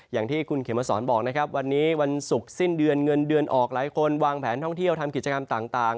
อย่างที่คุณเขมสอนบอกนะครับวันนี้วันศุกร์สิ้นเดือนเงินเดือนออกหลายคนวางแผนท่องเที่ยวทำกิจกรรมต่าง